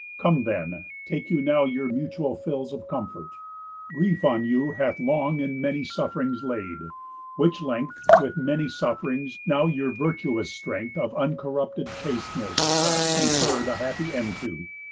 Come, then, take you now Your mutual fills of comfort. Grief on you Hath long and many suff'rings laid; which length, Which many suff'rings, now your virtuous strength Of uncorrupted chasteness hath conferr'd A happy end to.